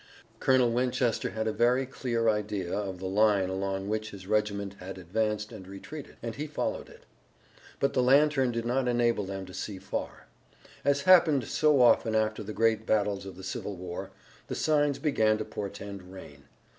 Colonel Winchester had a very clear idea of the line along which his regiment had advanced and retreated, and he followed it. But the lantern did not enable them to see far. As happened so often after the great battles of the Civil War, the signs began to portend rain.